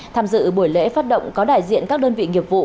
tham dự buổi lễ phát động có đại diện các đơn vị nghiệp vụ